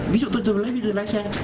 ví dụ tôi lấy video lái xe